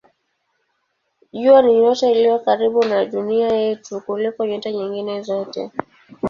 Jua ni nyota iliyo karibu na Dunia yetu kuliko nyota nyingine zote.